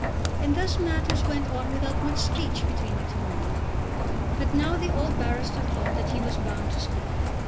And thus matters went on without much speech between the two men. But now the old barrister thought that he was bound to speak.